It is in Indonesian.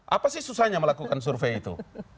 apa sih susahnya melakukan survei itu